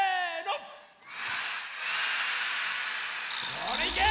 それいけ！